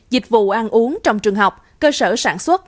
dịch vụ ăn uống trong trường học cơ sở sản xuất